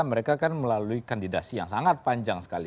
mereka kan melalui kandidasi yang sangat panjang sekali